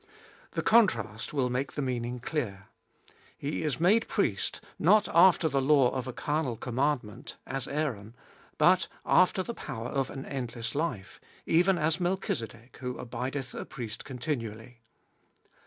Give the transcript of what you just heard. The contrast will make the meaning clear. He is made Priest, not after the law of a carnal commandment, as Aaron, but after the power of an endless life, even as Melchizedek who abideth a priest continually.